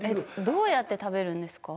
どうやって食べるんですか？